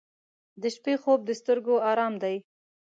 • د شپې خوب د سترګو آرام دی.